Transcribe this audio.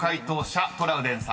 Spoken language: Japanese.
トラウデンさんです］